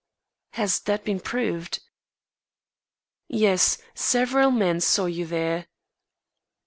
"Has that been proved?" "Yes; several men saw you there."